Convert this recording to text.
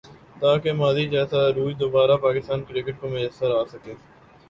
تاکہ ماضی جیسا عروج دوبارہ پاکستان کرکٹ کو میسر آ سکے ۔